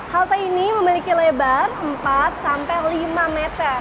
halte ini memiliki lebar empat sampai lima meter